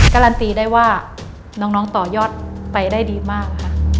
การันตีได้ว่าน้องต่อยอดไปได้ดีมากค่ะ